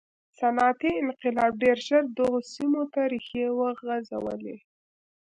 صنعتي انقلاب ډېر ژر دغو سیمو ته ریښې وغځولې.